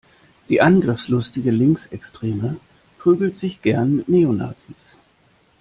Die angriffslustige Linksextreme prügelt sich gerne mit Neonazis.